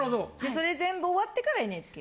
それ全部終わってからＮＨＫ。